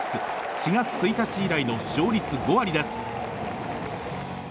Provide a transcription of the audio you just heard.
４月１日以来の勝率５割です。